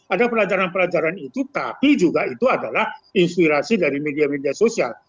ada pelajaran pelajaran itu tapi juga itu adalah inspirasi dari media media sosial